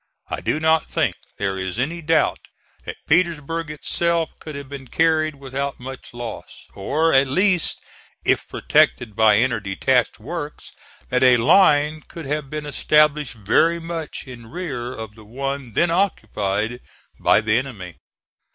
I do not think there is any doubt that Petersburg itself could have been carried without much loss; or, at least, if protected by inner detached works, that a line could have been established very much in rear of the one then occupied by the enemy.